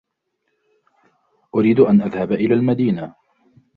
أريد أن أذهب إلى المدينة.